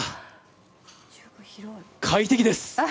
快適です。